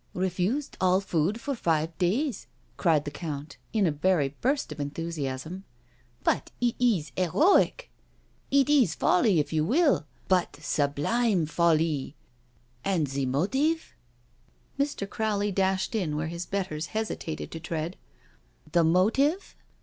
" Refused all food for five days I '* cried the Count, in a very burst of enthusiasm. *' But it is heroic I It is folly if you will— but sublime folly I .•• And the motive?" Mr. Crowley dashed in where his betters hesitated to tread: " The motive?